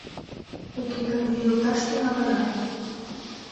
Уке гын лӱйылташ тӱҥалына!..